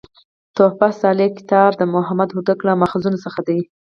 "تحفه صالح کتاب" د محمد هوتک له ماخذونو څخه دﺉ.